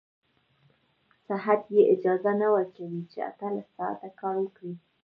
صحت يې اجازه نه ورکوي چې اتلس ساعته کار وکړي.